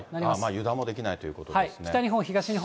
油断もできないということですね。